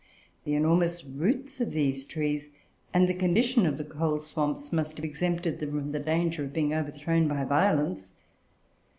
The enormous roots of these trees, and the condition of the coal swamps, must have exempted them from the danger of being overthrown by violence.